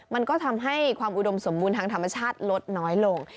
มันก็ทำให้ความอุดมสมบูรณ์ทางธรรมชาติลดน้อยลง